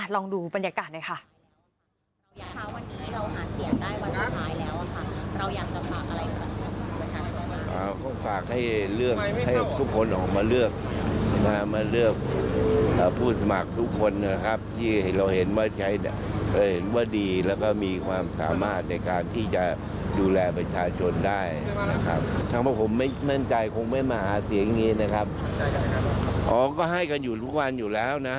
ลองดูบรรยากาศหน่อยค่ะ